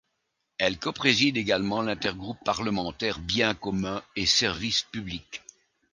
Elle copréside également l'intergroupe parlementaire biens communs et services publics.